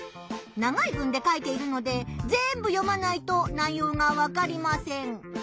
長い文で書いているので全部読まないと内ようがわかりません。